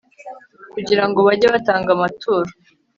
kugira ngo bajye batanga amaturo